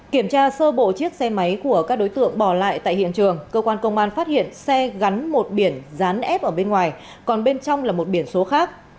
kiểm tra sơ bộ chiếc xe máy của các đối tượng bỏ lại tại hiện trường cơ quan công an phát hiện xe gắn một biển rán ép ở bên ngoài còn bên trong là một biển số khác